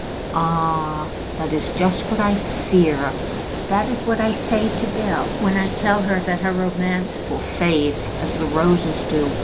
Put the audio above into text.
"Ah; that is just what I fear. That is what I say to Bell when I tell her that her romance will fade as the roses do.